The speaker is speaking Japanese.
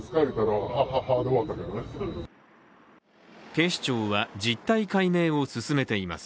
警視庁は実態解明を進めています。